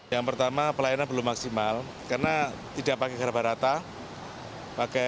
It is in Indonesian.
yang pertama pelayanan belum maksimal karena tidak pakai garbarata